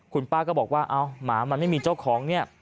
คุณป้าก็บอกว่าเอ้าหมามันไม่มีเจ้าของเนี่ย